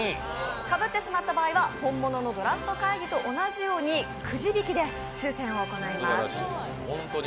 かぶってしまった場合は本物のドラフト会議と同じようにくじ引きで抽選を行います。